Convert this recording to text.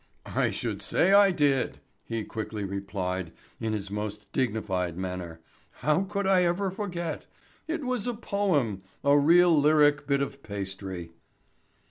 "I should say I did," he quickly replied in his most dignified manner. "How could I ever forget? It was a poem, a real lyric bit of pastry."